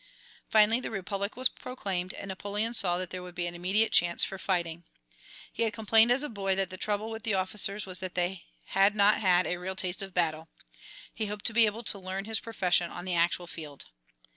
Finally the Republic was proclaimed, and Napoleon saw that there would be an immediate chance for fighting. He had complained as a boy that the trouble with the officers was that they had not had a real taste of battle. He hoped to be able to learn his profession on the actual field.